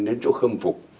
đến chỗ khâm phục